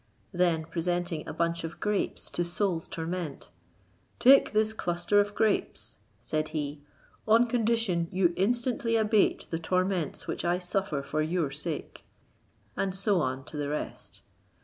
Then, presenting a bunch of grapes to Soul's Torment, "Take this cluster of grapes," said he, "on condition you instantly abate the torments which I suffer for your sake;" and so on to the rest.